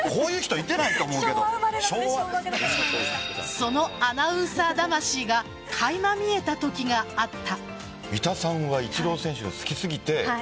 そのアナウンサー魂がかいま見えたときがあった。